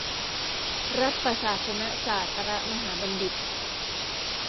รัฐประศาสนศาสตรมหาบัณฑิต